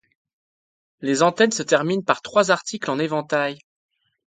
Les antennes se terminent par trois articles en éventail.